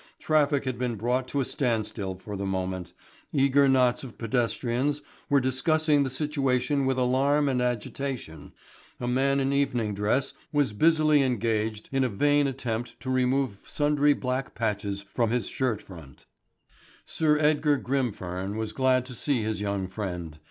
Traffic had been brought to a standstill for the moment, eager knots of pedestrians were discussing the situation with alarm and agitation, a man in evening dress was busily engaged in a vain attempt to remove sundry black patches from his shirt front. Sir Edgar Grimfern was glad to see his young friend.